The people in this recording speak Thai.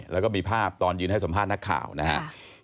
แล้วก็มีภาพตอนยืนให้สัมภาษณ์นักข่าวนะครับ